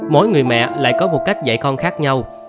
mỗi người mẹ lại có một cách dạy con khác nhau